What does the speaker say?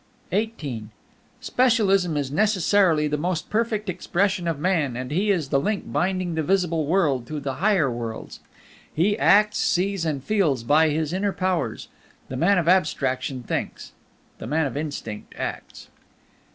XVIII Specialism is necessarily the most perfect expression of man, and he is the link binding the visible world to the higher worlds; he acts, sees, and feels by his inner powers. The man of Abstraction thinks. The man of Instinct acts.